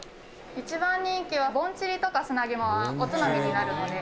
一番人気は、ぼんぢりとか砂肝はおつまみになるので。